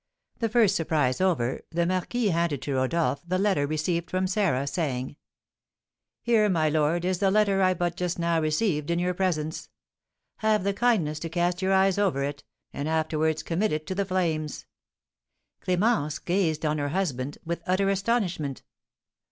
The first surprise over, the marquis handed to Rodolph the letter received from Sarah, saying: "Here, my lord, is the letter I but just now received in your presence. Have the kindness to cast your eyes over it, and afterwards commit it to the flames." Clémence gazed on her husband with utter astonishment.